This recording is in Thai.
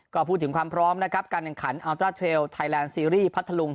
ก็พูดถึงความพร้อมนะครับการแข่งขันอัลตราเทลไทยแลนดซีรีส์พัทธลุง